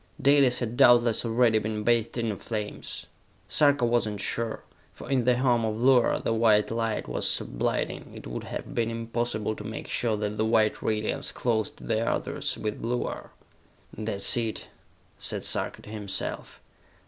Dalis had doubtless already been bathed in the flames. Sarka was not sure, for in the home of Luar the white light was so blinding it would have been impossible to make sure that the white radiance clothed the others with Luar. "That's it!" said Sarka to himself.